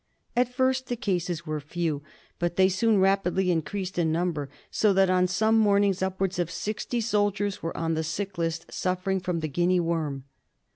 At first the cases were few, but they soon rapidly increased in number, so that on some mornings upwards of sixty soldiers were on the sick list suffering from Guinea worm.